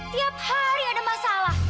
tiap hari ada masalah